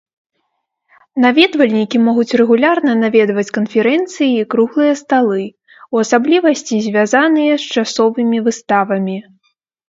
Наведвальнікі могуць рэгулярна наведваць канферэнцыі і круглыя сталы, у асаблівасці звязаныя з часовымі выставамі.